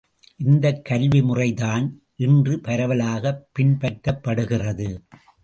இந்தக் கல்வி முறை தான் இன்று பரவலாகப் பின்பற்றப்படுகிறது.